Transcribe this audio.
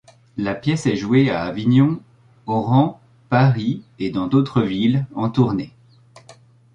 La pièce est jouée à Avignon, Oran, Paris et dans d'autres villes, en tournées.